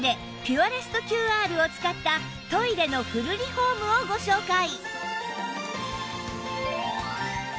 ピュアレスト ＱＲ を使ったトイレのフルリフォームをご紹介